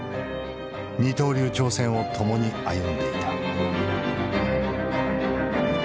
二刀流挑戦を共に歩んでいた。